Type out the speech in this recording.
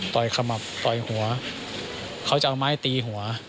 ขมับต่อยหัวเขาจะเอาไม้ตีหัว